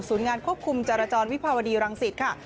ศูนย์งานควบคุมจราจรวิภาวดีรังศิษฐ์ค่ะ